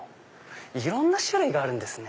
いろんな種類があるんですね。